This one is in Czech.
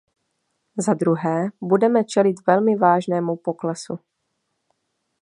Za druhé, budeme čelit velmi vážnému poklesu.